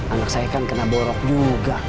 anak saya kan kena borok juga